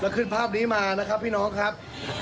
ไม่เคยขึ้นมาภาพนี้มานะคะพี่น้องครับ